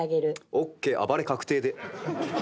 ＯＫ暴れ確定で。